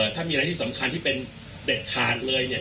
ถ้ามีอะไรที่สำคัญที่เป็นเด็ดขาดเลยเนี่ย